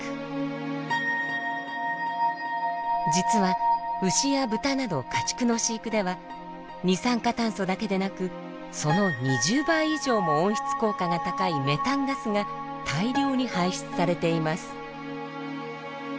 実は牛や豚など家畜の飼育では二酸化炭素だけでなくその２０倍以上も温室効果が高いメタンガスが大量に排出されています。